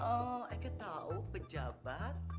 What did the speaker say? aku tahu pejabat